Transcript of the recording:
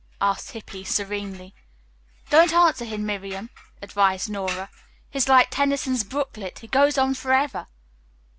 asked Hippy serenely. "Don't answer him, Miriam," advised Nora. "He is like Tennyson's 'Brooklet,' he goes on forever."